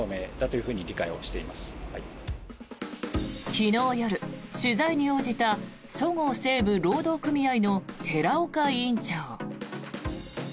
昨日夜、取材に応じたそごう・西武労働組合の寺岡委員長。